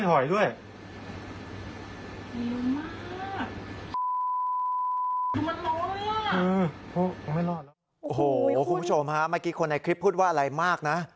โอ้โหคุณผู้ชมฮะเมื่อกี้คนในคลิปพูดว่าอะไรมากนะ